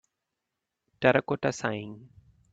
Terracotta Sighing